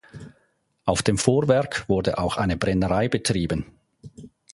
Auf dem Vorwerk wurde auch eine Brennerei betrieben.